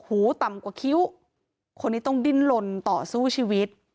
หูต่ำกว่าคิ้วคนนี้ต้องดิ้นลนต่อสู้ชีวิต